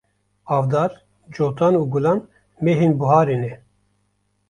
Avdar, Cotan û Gulan mehên buharê ne.